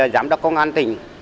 giám đốc công an tỉnh